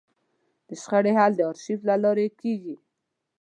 د شخړې حل د ارشیف له لارې کېږي.